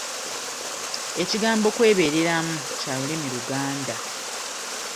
Ekigambo kwebeereramu kya lulimi Luganda.